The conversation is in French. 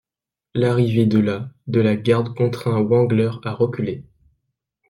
L'arrivée de la de la garde contraint Wengler à reculer.